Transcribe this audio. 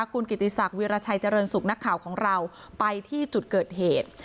คุณกิติศักดิราชัยเจริญสุขนักข่าวของเราไปที่จุดเกิดเหตุ